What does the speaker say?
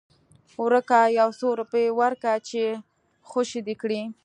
ورکه يو څو روپۍ ورکه چې خوشې دې کي.